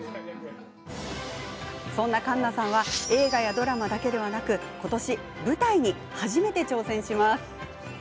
そんな環奈さんは映画やドラマだけでなくことし舞台に初めて挑戦します。